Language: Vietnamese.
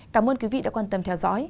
cảm ơn quý vị đã quan tâm theo dõi